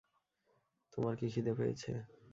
তোমার কি খিদে পেয়েছে?